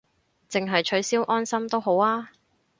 淨係取消安心都好吖